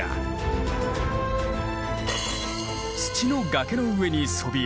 土の崖の上にそびえ